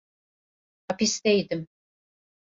Hapisteydim.